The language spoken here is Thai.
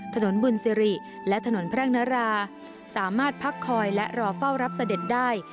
ถนนบุญสิริและถนนแพร่งนราสามารถพักคอยและรอเฝ้ารับเสด็จได้